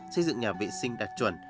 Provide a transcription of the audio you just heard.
xây dựng nhà vệ sinh đạt chuẩn